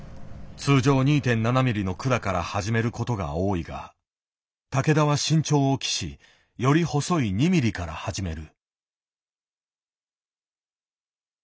通常２．７ｍｍの管から始めることが多いが竹田は慎重を期しより細い２ｍｍから始める。